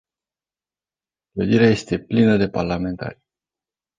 Clădirea este plină de parlamentari.